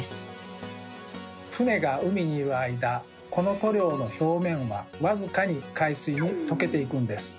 船が海にいる間この塗料の表面は僅かに海水に溶けていくんです。